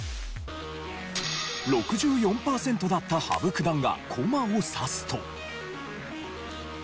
６４パーセントだった羽生九段が駒を指すと。